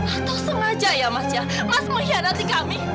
atau sengaja ya mas ya mas mengkhianati kami